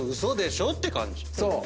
そう。